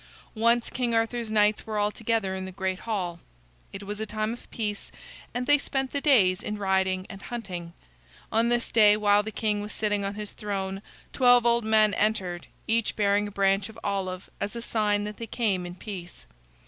Once King Arthur's knights were all together in the great hall. It was a time of peace, and they spent the days in riding and hunting. On this day, while the king was sitting on his throne, twelve old men entered, each bearing a branch of olive, as a sign that they came in peace.